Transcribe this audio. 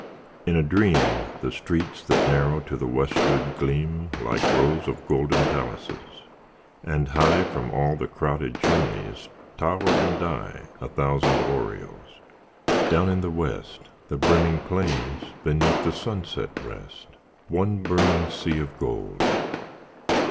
In a dream The streets that narrow to the westward gleam Like rows of golden palaces; and high From all the crowded chimneys tower and die A thousand aureoles. Down in the west The brimming plains beneath the sunset rest, One burning sea of gold.